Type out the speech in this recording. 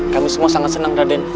kami semua sangat senang